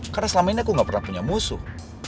karena selama ini aku gak pernah punya musuh